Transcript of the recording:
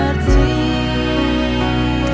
di dalam hatiku